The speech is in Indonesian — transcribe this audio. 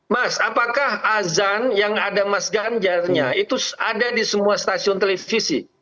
mas apakah azan yang ada mas ganjarnya itu ada di semua stasiun televisi